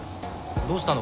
どうしたの？